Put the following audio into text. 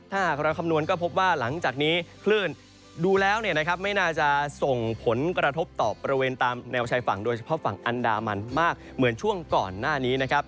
ถ้าหากเราคำนวณก็พบว่าหลังจากนี้คลื่นดูแล้วเนี่ยนะครับไม่น่าจะส่งผลกระทบต่อบริเวณตามแนวชายฝั่งโดยเฉพาะฝั่งอันดามันมากเหมือนช่วงก่อนหน้านี้นะครับ